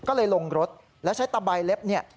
ก็เลยลงรถแล้วใช้ตะใบเล็บเนี่ย